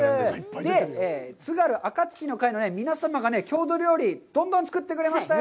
で、津軽あかつきの会の皆様がね、郷土料理をどんどん作ってくれましたよ。